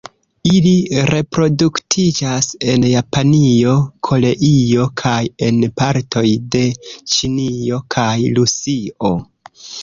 Ili reproduktiĝas en Japanio, Koreio kaj en partoj de Ĉinio kaj Rusio.